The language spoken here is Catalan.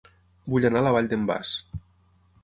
Vull anar a La Vall d'en Bas